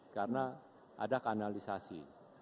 karena ada kanalisasi